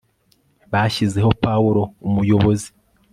bashyizeho pawulo umuyobozi